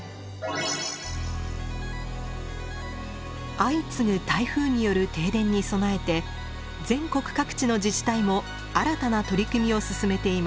相次ぐ台風による停電に備えて全国各地の自治体も新たな取り組みを進めています。